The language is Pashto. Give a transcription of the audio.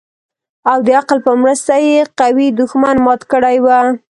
او د عقل په مرسته يې قوي دښمن مات کړى و.